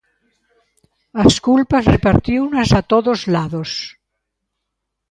As culpas repartiunas a todos lados.